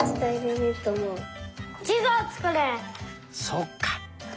そっか。